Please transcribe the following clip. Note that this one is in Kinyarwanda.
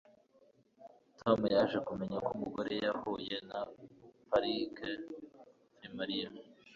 Tom yaje kumenya ko umugore yahuye na parike ari Mariya